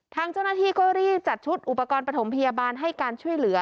ทางเจ้าหน้าที่ก็รีบจัดชุดอุปกรณ์ประถมพยาบาลให้การช่วยเหลือ